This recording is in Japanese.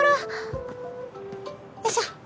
よいしょ。